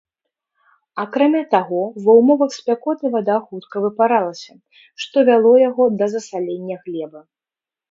Акрамя таго, ва ўмовах спякоты вада хутка выпаралася, што вяло яго да засалення глебы.